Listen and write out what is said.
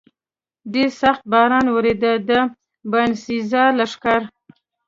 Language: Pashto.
ډېر سخت باران ورېده، د باینسېزا لښکر.